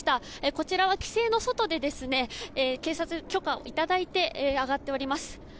こちらは規制の外で警察に許可をいただいて上がっております。